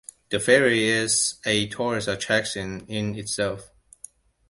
The ferry is a tourist attraction in itself.